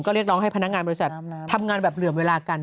เรียกร้องให้พนักงานบริษัททำงานแบบเหลื่อมเวลากัน